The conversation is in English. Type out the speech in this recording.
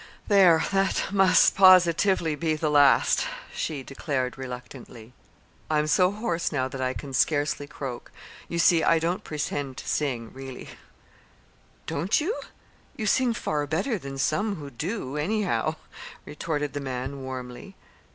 "There! that must positively be the last," she declared reluctantly. "I'm so hoarse now I can scarcely croak. You see, I don't pretend to sing, really." "Don't you? You sing far better than some who do, anyhow," retorted the man, warmly.